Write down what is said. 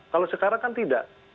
kalau sekarang kan tidak